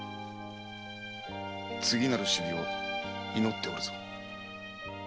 次なる首尾を祈っておるぞ。